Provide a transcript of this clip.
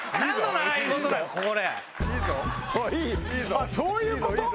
あっそういう事！？